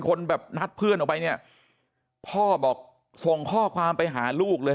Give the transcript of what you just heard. คนแบบนัดเพื่อนออกไปเนี่ยพ่อบอกส่งข้อความไปหาลูกเลย